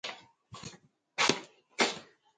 کانت وویل نه د بوډاګانو همدا ستره اشتباه ده.